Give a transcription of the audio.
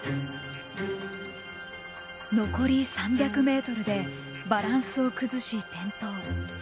残り３００ｍでバランスを崩し転倒。